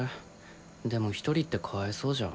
でも一人ってかあえそうじゃん。